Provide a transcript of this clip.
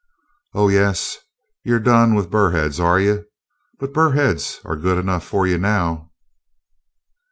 "Oh, yes, you 're done with burr heads, are you? But burr heads are good enough fu' you now."